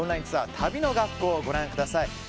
ツアー旅の学校をご覧ください。